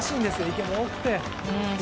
池も多くて。